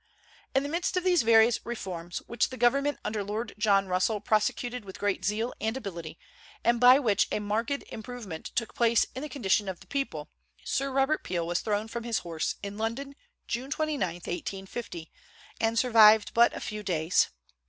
In the midst of these various reforms, which the government under Lord John Russell prosecuted with great zeal and ability, and by which a marked improvement took place in the condition of the people, Sir Robert Peel was thrown from his horse in London, June 29, 1850, and survived but a few days.